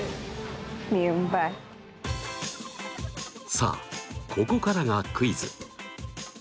さあここからがクイズ！